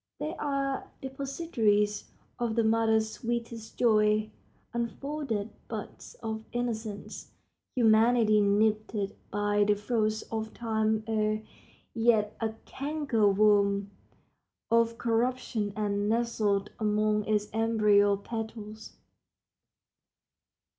They are depositories of the mother's sweetest joy, unfolded buds of innocence, humanity nipped by the frosts of time ere yet a canker worm of corruption has nestled among its embryo petals.